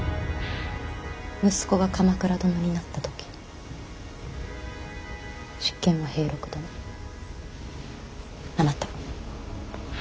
息子が鎌倉殿になった時執権は平六殿あなた。